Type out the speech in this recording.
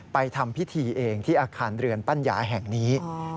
ทำพิธีเองที่อาคารเรือนปัญญาแห่งนี้